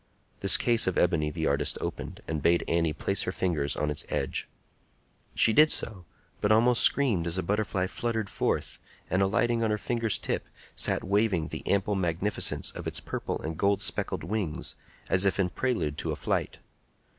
This case of ebony the artist opened, and bade Annie place her fingers on its edge. She did so, but almost screamed as a butterfly fluttered forth, and, alighting on her finger's tip, sat waving the ample magnificence of its purple and gold speckled wings, as if in prelude to a flight.